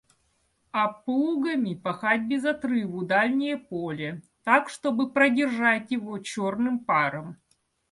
А плугами пахать без отрыву дальнее поле, так чтобы продержать его черным паром.